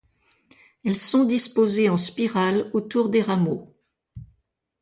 Elles sont disposées en spirale autour des rameaux.